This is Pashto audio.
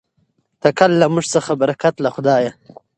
تکل له موږ څخه برکت له خدایه.